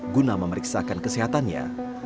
guna memeriksakan kesehatannya